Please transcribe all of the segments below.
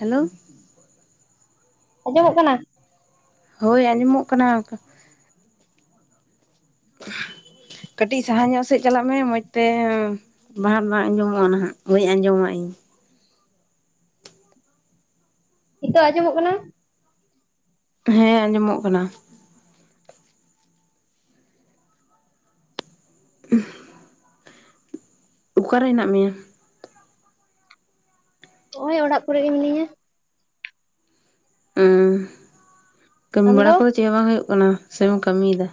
Hello ᱟᱸᱡᱚᱢᱚᱜ ᱠᱟᱱᱟ᱾ ᱦᱳᱭ ᱟᱸᱡᱚᱢᱚᱜ ᱠᱟᱱᱟ [inaudible] ᱠᱟᱹᱴᱤᱡ ᱥᱟᱦᱟ ᱧᱚᱜ ᱥᱮᱫ ᱪᱟᱞᱟᱜ ᱢᱮ ᱢᱚᱡᱽ ᱛᱮ ᱵᱟᱦᱟ ᱫᱚ ᱟᱸᱡᱚᱢᱚᱜᱼᱟ ᱱᱟᱦᱟᱜ ᱵᱟᱹᱧ ᱟᱸᱡᱚᱢᱟ ᱤᱧ [inaudible] ᱱᱤᱛᱚᱜ ᱟᱸᱡᱚᱢᱚᱜ ᱠᱟᱱᱟ? ᱦᱮᱸ ᱟᱸᱡᱚᱢᱚᱜ ᱠᱟᱱᱟ᱾ [inaudible] ᱚᱠᱟᱨᱮ ᱦᱮᱱᱟᱜ ᱢᱮᱭᱟ? ᱱᱚᱜᱼᱚᱭ ᱚᱲᱟᱜ ᱠᱚᱨᱮ ᱜᱮ ᱢᱤᱱᱟᱹᱧᱟ᱾ ᱦᱸ ᱠᱟᱹᱢᱤ ᱟᱢᱫᱚ ᱵᱟᱲᱟ ᱠᱚᱫᱚ ᱪᱮᱫ ᱦᱚᱸ ᱵᱟᱝ ᱦᱩᱭᱩᱜ ᱠᱟᱱᱟ ᱥᱮᱵᱚᱱ ᱠᱟᱹᱢᱤᱭᱮᱫᱟ?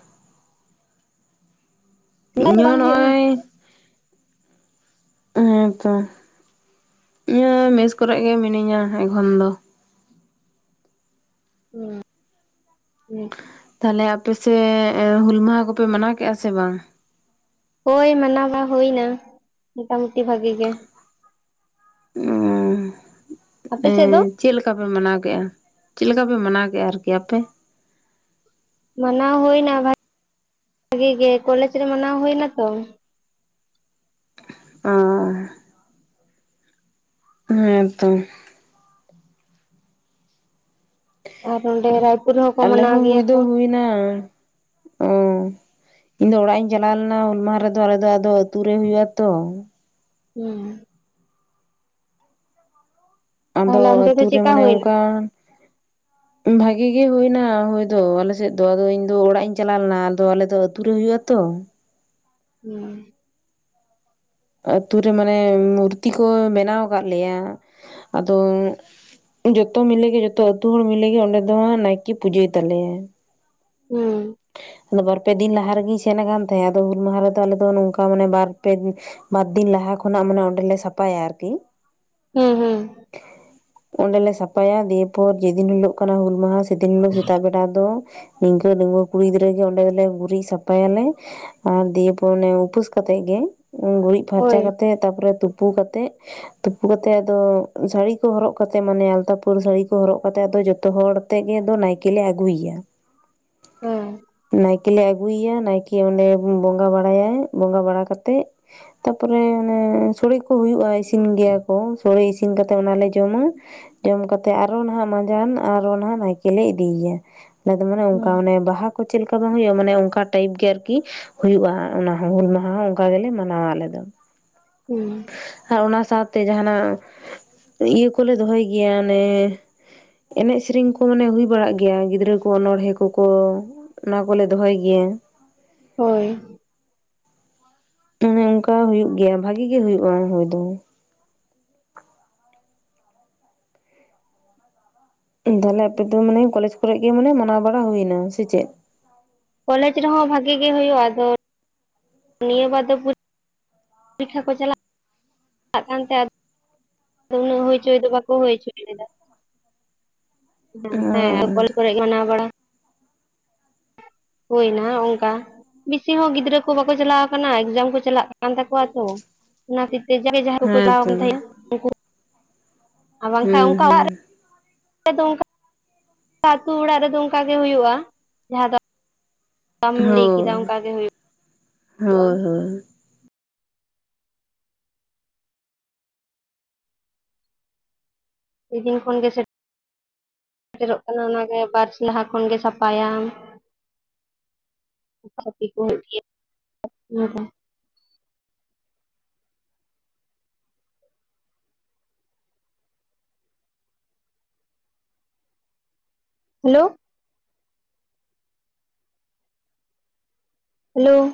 ᱫᱚ ᱚᱲᱟᱜ ᱤᱧ ᱫᱚ ᱦᱚᱸ ᱵᱟᱝ ᱦᱩᱭᱩᱜ ᱠᱟᱱᱟ ᱱᱚᱜᱼᱚᱭ ᱦᱮᱸᱛᱚ ᱤᱭᱟᱹ ᱢᱮᱥ ᱠᱚᱨᱮ ᱜᱮ ᱢᱤᱱᱟᱹᱧᱟ ᱮᱠᱷᱚᱱ ᱫᱚ᱾ ᱦᱩᱸ ᱦᱮ ᱛᱟᱦᱞᱮ ᱟᱯᱮ ᱥᱮ ᱦᱩᱞ ᱢᱟᱦᱟ ᱠᱚᱯᱮ ᱢᱟᱱᱟᱣ ᱠᱮᱫᱼᱟ ᱥᱮ ᱵᱟᱝ? ᱦᱳᱭ ᱢᱟᱱᱟᱣ ᱢᱟ ᱦᱩᱭ ᱮᱱᱟ ᱢᱳᱴᱟᱢᱩᱴᱤ ᱵᱷᱟᱜᱤ ᱜᱮ᱾ ᱚ ᱟᱯᱮ ᱮ ᱥᱮᱫ ᱫᱚ ᱪᱮᱫ ᱞᱮᱠᱟᱯᱮ ᱢᱟᱱᱟᱣ ᱠᱮᱫᱮᱜᱼᱟ? ᱪᱮᱫ ᱞᱮᱠᱟ ᱯᱮ ᱢᱟᱱᱟᱣ ᱠᱮᱫᱼᱟ ᱟᱨᱠᱤ ᱟᱯᱮ? ᱢᱟᱱᱟᱣ ᱦᱩᱭᱱᱟ ᱵᱷᱟᱜᱤ ᱜᱮ ᱠᱚᱞᱮᱡᱽ ᱨᱮ ᱢᱟᱱᱟᱣ ᱦᱩᱭᱱᱟᱛᱚ᱾ ᱚ ᱦᱮᱸᱛᱚ [unintelligible] ᱟᱞᱮ ᱢᱟᱱᱟᱣ ᱦᱚᱸ ᱜᱮᱭᱟ ᱦᱩᱭ ᱫᱚ ᱠᱚ ᱦᱩᱭ ᱮᱱᱟ ᱚ ᱤᱧ ᱫᱚ ᱚᱲᱟᱜ ᱤᱧ ᱪᱟᱞᱟᱣ ᱞᱮᱱᱟ ᱦᱩᱞ ᱢᱟᱦᱟ ᱨᱮᱫᱚ ᱟᱞᱮ ᱫᱚ ᱟᱫᱚ ᱟᱹᱛᱩ ᱨᱮ ᱦᱩᱭᱩᱜ-ᱟ ᱛᱚ᱾ ᱦᱮᱸ ᱟᱫᱚ ᱛᱟᱦᱚᱞᱮ ᱚᱱᱛᱮ ᱫᱚ ᱟᱹᱛᱩ ᱨᱮ ᱪᱮᱫᱠᱟ ᱢᱟᱱᱮ ᱦᱩᱭᱱᱟ ᱚᱱᱠᱟᱱ ᱵᱷᱟᱜᱤ ᱜᱮ ᱦᱩᱭᱮᱱᱟ ᱦᱩᱭ ᱫᱚ ᱟᱞᱮᱥᱮᱫ ᱫᱚ ᱟᱫᱚ ᱤᱧ ᱫᱚ ᱚᱲᱟᱜ ᱤᱧ ᱪᱟᱞᱟᱣ ᱞᱮᱱᱟ ᱟᱫᱚ ᱟᱞᱮ ᱫᱚ ᱟᱛᱩᱨᱮ ᱦᱩᱭᱩᱜ-ᱟ ᱛᱚ᱾ [inaudible] ᱦᱮᱸ ᱟᱹᱛᱩ ᱨᱮ ᱢᱟᱱᱮ ᱢᱩᱨᱛᱤ ᱠᱚ ᱵᱮᱱᱟᱣ ᱠᱫ ᱞᱮᱭᱟ ᱟᱫᱚ ᱡᱚᱛᱚ ᱢᱤᱞᱮᱜᱮ ᱡᱚᱛᱚ ᱟᱹᱛᱩ ᱦᱚᱲ ᱢᱤᱞᱮᱜᱮ ᱚᱸᱰᱮ ᱫᱚ ᱱᱟᱭᱠᱮ ᱯᱩᱡᱟᱹᱭ ᱛᱟᱞᱮᱭᱟᱭ ᱦᱮᱸ ᱟᱫᱚ ᱵᱟᱨ ᱯᱮ ᱫᱤᱱ ᱞᱟᱦᱟ ᱨᱮᱜᱮᱧ ᱥᱮᱱᱟᱠᱟᱱ ᱛᱟᱸᱦᱮᱫ ᱟᱫᱚ ᱦᱩᱞ ᱢᱟᱦᱟ ᱨᱮᱫᱚ ᱟᱞᱮ ᱫᱚ ᱱᱚᱝᱠᱟ ᱢᱟᱱᱮ ᱵᱟᱨ ᱫᱤᱱ ᱞᱟᱦᱟ ᱡᱟᱦᱟᱸ ᱠᱷᱚᱱᱟᱜ ᱢᱟᱱᱮ ᱚᱸᱰᱮᱞᱮ ᱥᱟᱯᱷᱟᱭᱟ ᱟᱨᱠᱤ ᱦᱮᱸ ᱦᱮᱸ ᱚᱸᱰᱮᱞᱮ ᱥᱟᱯᱷᱟᱭᱟ ᱫᱤᱭᱮ ᱯᱚᱨ ᱡᱮᱫᱤᱱ ᱦᱤᱞᱳᱜ ᱠᱟᱱᱟ ᱦᱩᱞ ᱢᱟᱦᱟ ᱥᱮᱫᱤᱱ ᱦᱤᱞᱳᱜ ᱥᱮᱛᱟᱜ ᱵᱮᱲᱟ ᱫᱚ ᱤᱱᱠᱟ ᱰᱟᱺᱜᱩᱣ ᱠᱩᱲᱤ ᱜᱤᱫᱽᱨᱟᱹᱜ ᱜᱮ ᱚᱸᱰᱮ ᱫᱚᱞᱮ ᱜᱩᱨᱤᱡ ᱥᱟᱯᱷᱟᱭ ᱟᱞᱮ ᱟᱨ ᱫᱤᱭᱮ ᱯᱚᱨ ᱚᱱᱮ ᱩᱯᱟᱹᱥ ᱠᱟᱛᱮᱫ ᱜᱮ ᱩᱱ ᱜᱩᱨᱤᱡᱽ ᱯᱷᱟᱨᱪᱟ ᱦᱳᱭ ᱠᱟᱛᱮᱜ ᱛᱟᱯᱚᱨᱮ ᱛᱩᱯᱩ ᱛᱩᱯᱩ ᱠᱟᱛᱮᱜ ᱛᱩᱯᱩ ᱠᱟᱛᱮᱜ ᱟᱫᱚ ᱥᱟᱹᱲᱤ ᱠᱚ ᱦᱚᱨᱚᱜ ᱠᱟᱛᱮᱜ ᱢᱟᱱᱮ ᱟᱞᱛᱟ ᱯᱟᱹᱲ ᱥᱟᱹᱲᱤ ᱠᱚ ᱦᱚᱨᱚᱜ ᱠᱟᱛᱮᱜ ᱡᱚᱛᱚ ᱦᱚᱲ ᱛᱮᱜᱮ ᱱᱟᱭᱠᱮᱞ ᱞᱮ ᱟᱹᱜᱩᱭᱮᱭᱟ ᱦᱮᱸ ᱱᱟᱭ ᱱᱟᱭᱠᱮ ᱟᱹᱜᱩᱭᱮᱭᱟ ᱱᱟᱭᱠᱮ ᱚᱸᱰᱮ ᱵᱚᱸᱜᱟ ᱵᱟᱲᱟᱭᱟᱭ ᱵᱚᱸᱜᱟ ᱵᱟᱲᱟ ᱠᱟᱛᱮᱫ ᱛᱟᱯᱚᱨᱮ ᱚᱱᱮ ᱥᱚᱲᱮ ᱠᱚ ᱦᱩᱭᱩᱜᱼᱟ ᱤᱥᱤᱱ ᱜᱮᱭᱟ ᱠᱚ ᱥᱚᱲᱮ ᱤᱥᱤᱱ ᱤᱥᱤᱱ ᱠᱟᱛᱮ ᱚᱱᱟᱞᱮ ᱡᱚᱢᱟ ᱡᱚᱢ ᱠᱟᱛᱮ ᱟᱨᱚ ᱱᱟᱦᱟᱜ ᱢᱟᱟᱸᱡᱟᱱ ᱟᱨᱚ ᱱᱟᱦᱟᱜ ᱱᱟᱭᱠᱮᱞ ᱞᱮ ᱤᱫᱤᱭᱮᱭᱟ ᱟᱫᱚ ᱢᱟᱱᱮ ᱚᱱᱠᱟ ᱦᱩᱸ ᱚᱱᱮ ᱵᱟᱦᱟ ᱠᱚ ᱪᱮᱫ ᱞᱮᱠᱟ ᱵᱟᱝ ᱦᱩᱭᱩᱜᱼᱟ ᱢᱟᱱᱮ ᱚᱱᱠᱟ ᱴᱟᱭᱤᱯ ᱜᱮ ᱟᱨᱠᱤ ᱦᱩᱭᱩᱜᱼᱟ ᱚᱱᱟ ᱦᱩᱞ ᱢᱟᱦᱟ ᱦᱚᱸ ᱚᱱᱠᱟ ᱜᱮᱞᱮ ᱢᱟᱱᱟᱣᱟ ᱟᱞᱮ ᱫᱚ ᱦᱩᱸ ᱟᱨ ᱚᱱᱟ ᱥᱟᱶᱛᱮ ᱡᱟᱦᱟᱱᱟᱜ ᱤᱭᱟᱹ ᱠᱚᱞᱮ ᱫᱚᱦᱚᱭ ᱜᱮᱭᱟ ᱚᱱᱮ ᱮᱱᱮᱡ ᱥᱮᱨᱮᱧ ᱠᱚ ᱢᱟᱱᱮ ᱦᱩᱭ ᱵᱟᱲᱟᱜ ᱜᱮᱭᱟ ᱜᱤᱫᱽᱨᱟᱹ ᱠᱚ ᱚᱱᱚᱚᱲᱦᱮᱸ ᱠᱚᱠᱚ ᱚᱱᱟ ᱠᱚᱞᱮ ᱫᱚᱦᱚᱭ ᱜᱮᱭᱟ ᱦᱮᱸ ᱦᱳᱭ ᱚᱱᱮ ᱚᱱᱠᱟ ᱦᱩᱭᱩᱜ ᱜᱮᱭᱟ ᱵᱷᱟᱹᱜᱤ ᱜᱮ ᱦᱩᱭᱩᱜᱼᱟ ᱦᱚᱳᱭ ᱫᱚ ᱛᱟᱦᱞᱮ ᱟᱯᱮ ᱫᱚ ᱢᱟᱱᱮ ᱠᱚᱞᱮᱡᱽ ᱠᱚᱨᱮ ᱜᱮ ᱢᱮ ᱢᱟᱱᱟᱣ ᱵᱟᱲᱟ ᱦᱩᱭ ᱱᱟ ᱥᱮ ᱪᱮᱫ ᱠᱚᱞᱮᱡᱽ ᱨᱮᱦᱚᱸ ᱵᱷᱟᱜᱤ ᱜᱮ ᱦᱩᱭᱩᱜᱼᱟ ᱟᱫᱚ ᱱᱤᱭᱟᱹ ᱵᱟᱨ ᱫᱚ ᱯᱚᱨᱤᱠᱠᱷᱟ ᱠᱚ ᱪᱟᱞᱟᱜ ᱠᱟᱱᱛᱮᱫ ᱟᱫᱚ ᱩᱱᱟᱹᱜ ᱦᱩᱭ ᱦᱚᱪᱚᱭ ᱫᱚ ᱵᱟᱠᱚ ᱦᱩᱭ ᱦᱚᱪᱚᱭ ᱞᱮᱫᱟ ᱚ ᱠᱚᱞᱮᱡᱽ ᱠᱚᱨᱮ ᱜᱮ ᱢᱟᱱᱟᱣ ᱵᱟᱲᱟ ᱦᱩᱭᱱᱟ ᱚᱱᱠᱟ ᱵᱮᱥᱤ ᱦᱚᱸ ᱜᱤᱫᱽᱨᱟᱹ ᱠᱚ ᱵᱟᱝᱠᱚ ᱪᱟᱞᱟᱣ ᱠᱟᱱᱟ ᱮᱠᱡᱟᱢ ᱠᱚ ᱪᱟᱞᱟᱜ ᱠᱟᱱ ᱛᱟᱠᱚᱣᱟ ᱛᱚ ᱚᱱᱟ ᱛᱤ ᱠᱮᱡᱟᱱᱮ ᱡᱟᱦᱟᱸᱭᱠᱚ ᱪᱟᱞᱟᱣ ᱦᱮᱸᱛᱚ ᱠᱟᱱ ᱛᱟᱦᱮᱸᱱᱟ ᱩᱱᱠᱩ ᱟᱨ ᱵᱟᱝᱠᱷᱟᱱ ᱦᱩᱸ ᱚᱱᱠᱟ ᱚᱲᱟᱜ ᱦᱩᱸ ᱨᱮ ᱟᱞᱮ ᱫᱚ ᱚᱱᱠᱟ ᱟᱹᱛᱩ ᱚᱲᱟᱜ ᱨᱮᱫᱚ ᱚᱱᱠᱟᱜᱮ ᱦᱩᱭᱩᱜᱼᱟ ᱡᱟᱦᱟᱸ ᱫᱚ ᱪᱮᱠᱟᱢ ᱞᱟᱹᱭ ᱠᱮᱫᱟ ᱦᱳᱭ ᱚᱱᱠᱟᱟᱜᱮᱼᱟ ᱦᱳᱭ ᱦᱳᱭ ᱥᱮ ᱫᱤᱱ ᱠᱷᱚᱱ ᱜᱮ ᱥᱮ ᱥᱮᱴᱮᱨᱚᱜ ᱠᱟᱱᱟ ᱚᱱᱟᱜᱮ ᱵᱟᱨᱥᱤᱧ ᱞᱟᱦᱟ ᱠᱷᱚᱱᱜᱮ ᱥᱟᱯᱷᱟᱭᱟᱢ ᱠᱚ [inaudible] ᱦᱮᱞᱳ ᱦᱮᱞᱳ